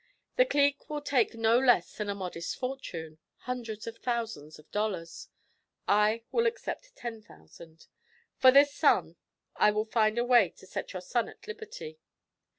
The "clique" will take no less than a modest fortune, hundreds of thousands of dollars. I will accept ten thousand. For this sum I will find a way to set your son at liberty.